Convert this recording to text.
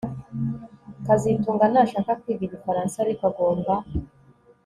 kazitunga ntashaka kwiga igifaransa ariko agomba